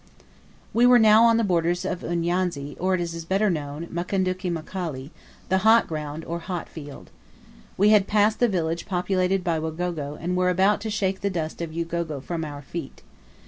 We were now on the borders of Uyanzi, or, as it is better known, "Magunda Mkali " the Hot ground, or Hot field. We had passed the village populated by Wagogo, and were about to shake the dust of Ugogo from our feet.